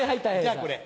じゃあこれ。